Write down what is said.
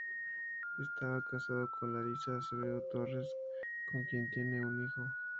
Estaba casado con Larissa Acevedo Torres, con quien tiene un hijo.